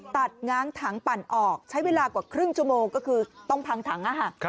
ง้างถังปั่นออกใช้เวลากว่าครึ่งชั่วโมงก็คือต้องพังถัง